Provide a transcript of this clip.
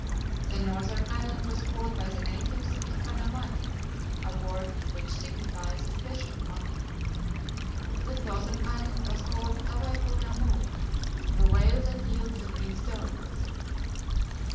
The northern island was called by the natives Ikana Mani, a word which signifies the fish of Mani. The southern island was called Tavai Pouna Mou, "the whale that yields the green stones."